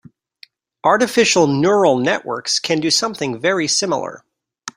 Artificial neural networks can do something very similar.